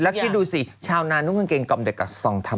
แล้วคิดดูสิชาวนานุ่งกางเกงกล่อมเด็กส่องทำ